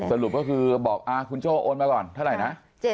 สรุปก็คือบอกคุณโจ้โอนมาก่อนเท่าไหร่นะ